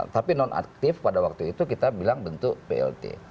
tapi non aktif pada waktu itu kita bilang bentuk plt